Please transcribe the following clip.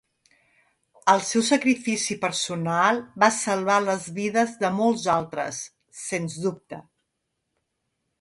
El seu sacrifici personal va salvar les vides de molts altres, sens dubte.